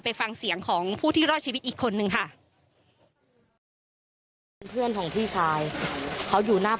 ไปฟังเสียงของผู้ที่รอดชีวิตอีกคนนึงค่ะ